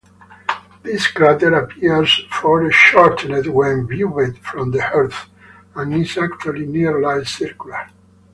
This crater appears foreshortened when viewed from the Earth, and is actually nearly circular.